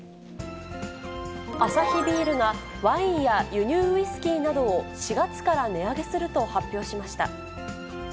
アサヒビールが、ワインや輸入ウイスキーなどを４月から値上げすると発表しました。